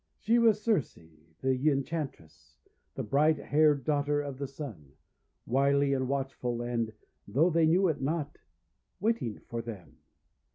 She was Circe the Enchantress, the bright haired daughter of the Sun, wily and watchful, and, though they knew it not, waiting for them.